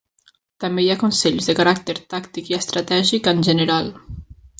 També hi ha consells de caràcter tàctic i estratègic, en general.